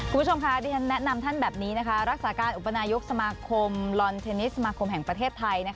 คุณผู้ชมค่ะที่ฉันแนะนำท่านแบบนี้รักษาการอุปนายกสมาคมลอนเทนนิสสมาคมแห่งประเทศไทย